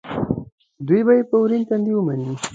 دوی به یې په ورین تندي ومني.